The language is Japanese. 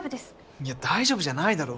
いや大丈夫じゃないだろ